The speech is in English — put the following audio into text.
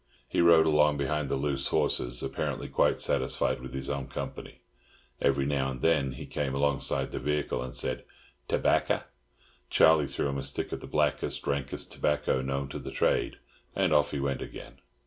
He rode along behind the loose horses, apparently quite satisfied with his own company. Every now and then he came alongside the vehicle, and said "Terbacker." Charlie threw him a stick of the blackest, rankest tobacco known to the trade, and off he went again.